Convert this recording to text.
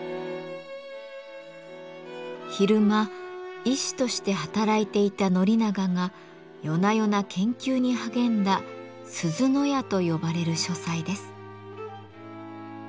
昼間医師として働いていた宣長が夜な夜な研究に励んだ「鈴屋」と呼ばれる書斎です。